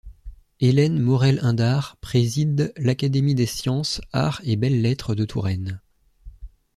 Hélène Maurel-Indart préside l’Académie des Sciences, Arts et Belles-Lettres de Touraine.